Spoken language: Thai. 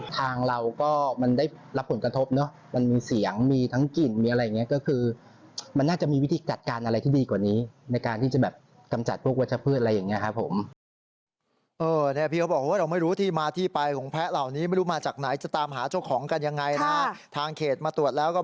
สงสารมันมันกินกองขยะอยู่นี่พร้อมโซละนี่พากันร้องแอ